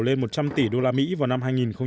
lên một trăm linh tỷ đô la mỹ vào năm hai nghìn hai mươi